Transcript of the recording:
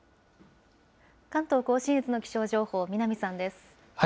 関東甲信越の気象情報、南さんです。